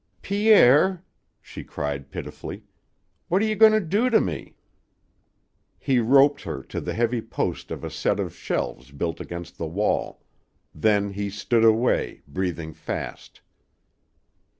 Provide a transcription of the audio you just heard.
"Pierre," she cried pitifully, "what are you a goin' to do to me?" He roped her to the heavy post of a set of shelves built against the wall. Then he stood away, breathing fast.